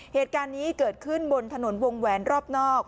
เหตุการณ์นี้เกิดขึ้นบนถนนวงแหวนรอบนอก